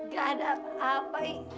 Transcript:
gak ada apa apa